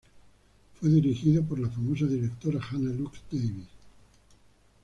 Fue dirigido por la famosa directora Hannah Lux Davis